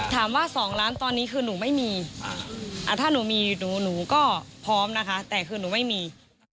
๒ล้านตอนนี้คือหนูไม่มีถ้าหนูมีหนูก็พร้อมนะคะแต่คือหนูไม่มี